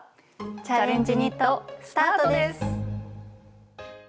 「チャレンジニット」スタートです！